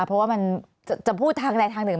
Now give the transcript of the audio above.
เพราะว่ามันจะพูดทางใดทางหนึ่ง